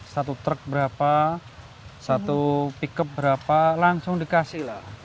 satu truk berapa satu pickup berapa langsung dikasih lah